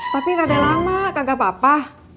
tapi rada lama gak apa apa